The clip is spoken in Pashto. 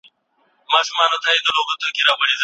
د خپلي ښې خوږي ميني